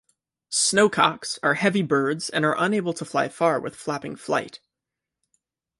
Snowcocks are heavy birds and are unable to fly far with flapping flight.